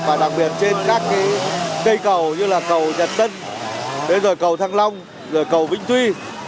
và đặc biệt trên các cây cầu như là cầu nhật tân cầu thăng long cầu vĩnh tuy